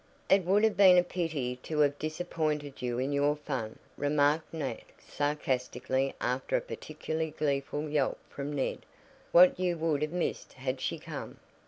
"It would have been a pity to have disappointed you in your fun," remarked Nat sarcastically after a particularly gleeful yelp from Ned. "What you would have missed had she come!"